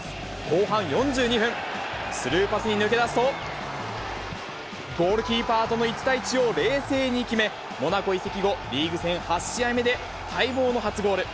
後半４２分、スルーパスに抜け出すと、ゴールキーパーとの１対１を冷静に決め、モナコ移籍後、リーグ戦８試合目で待望の初ゴール。